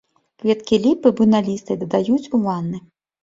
Кветкі ліпы буйналістай дадаюць ў ванны.